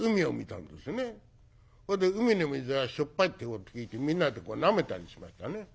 海の水はしょっぱいってこと聞いてみんなでなめたりしましたね。